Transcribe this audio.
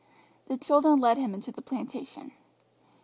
The children led him into the plantation.